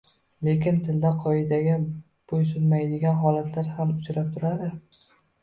Lekin tilda qoidaga boʻysunmaydigan holatlar ham uchrab turadi